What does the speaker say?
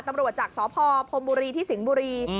ตำรวจจากสพพรมบุรีที่สิงห์บุรี